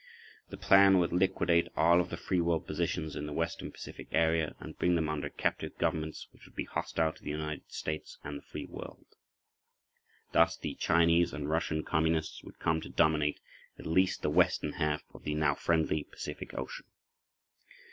This plan would liquidate all of the free world positions in the western Pacific area and bring [pg 13]them under captive governments which would be hostile to the United States and the free world. Thus the Chinese and Russian Communists would come to dominate at least the western half of the now friendly Pacific Ocean.